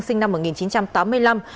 sinh năm một nghìn chín trăm tám mươi năm